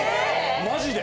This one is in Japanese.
マジで。